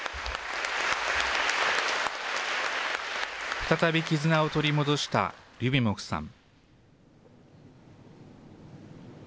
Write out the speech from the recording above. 再び絆を取り戻したリュビモフさん。